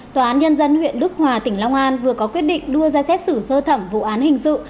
tòa án nhân dân huyện đức hòa tỉnh long an vừa có quyết định đưa ra xét xử sơ thẩm vụ án hình sự